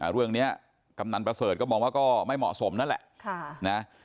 เรื่องนี้กำนันประเสริฐก็มองว่าก็ไม่เหมาะสมนั่นแหละ